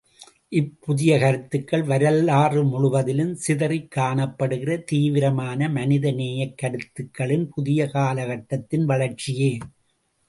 இப்புதிய கருத்துக்கள், வரலாறு முழுவதிலும் சிதறிக் காணப்படுகிற தீவிரமான, மனித நேயக் கருத்துக்களின் புதிய காலகட்டத்தின் வளர்ச்சியே.